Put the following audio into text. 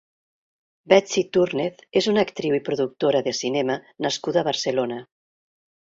Betsy Túrnez és una actriu i productora de cinema nascuda a Barcelona.